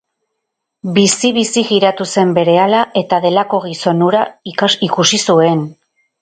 Bizi-bizi jiratu zen berehala, eta delako gizon hura ikusi zuen.